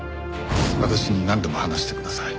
私になんでも話してください。